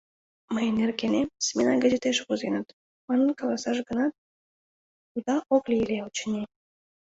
Мыйын нергенем «Смена» газетеш возеныт, манын каласаш гынат, уда ок лий ыле, очыни».